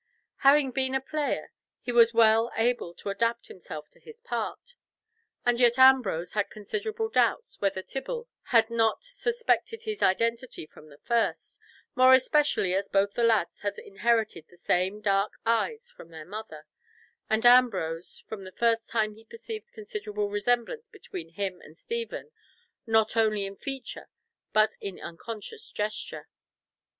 Having been a player, he was well able to adapt himself to his part, and yet Ambrose had considerable doubts whether Tibble had not suspected his identity from the first, more especially as both the lads had inherited the same dark eyes from their mother, and Ambrose for the first time perceived a considerable resemblance between him and Stephen, not only in feature but in unconscious gesture.